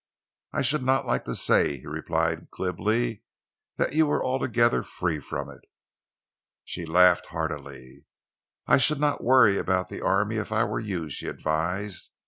"I should not like to say," he replied glibly, "that you were altogether free from it." She laughed heartily. "I should not worry about the army if I were you," she advised.